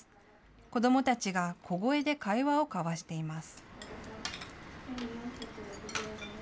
子どもたちが小声で会話を交わしています。